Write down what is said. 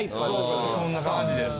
そんな感じです。